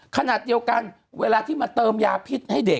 คุณหนุ่มกัญชัยได้เล่าใหญ่ใจความไปสักส่วนใหญ่แล้ว